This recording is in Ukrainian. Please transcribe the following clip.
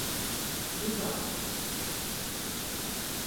Додаток